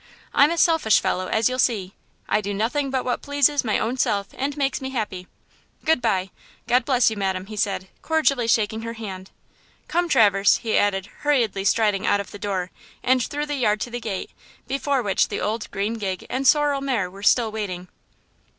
I'm a selfish fellow, as you'll see. I do nothing but what pleases my own self and makes me happy. Good by; God bless you, madam," he said, cordially shaking her hand. "Come, Traverse," he added, hurriedly striding out of the door and through the yard to the gate, before which the old green gig and sorrel mare were still waiting.